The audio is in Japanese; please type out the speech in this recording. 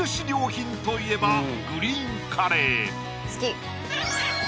良品といえばグリーンカレー好き！